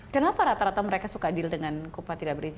kenapa rata rata mereka suka deal dengan kupa tidak berizin